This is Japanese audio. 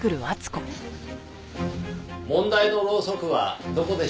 問題のろうそくはどこでしょう？